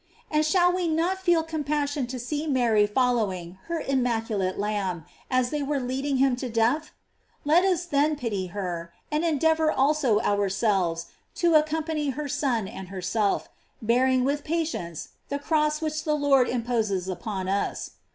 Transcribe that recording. And shall we not feel compassion to see Mary following her im maculate Lamb, as they are leading him to death ? Let us then pity her, and endeavor also ourselves to accompany her Son and herself, bearing with patience the cross which the Lord imposes upon us.